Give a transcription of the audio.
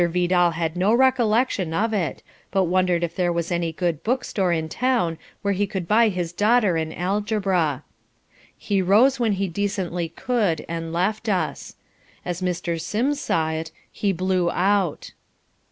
Vidal had no recollection of it, but wondered if there was any good book store in town where he could buy his daughter an Algebra. He rose when he decently could and left us. As Mr. Sims saw it, he "blew out."